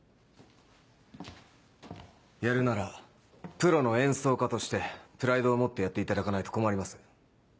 やるならプロの演奏家としてプライドを持ってやっていただかないと困ります。